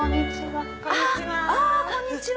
こんにちは。